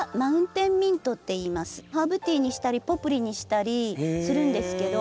ハーブティーにしたりポプリにしたりするんですけど。